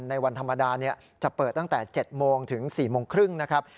ในวันธรรมดาจะเปิดตั้งแต่๗โมงถึง๔โมงครึ่งนะครับ